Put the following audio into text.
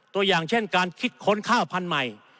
ตัวอย่างเช่นการคิดค้นข้าวพันธุ์ใหม่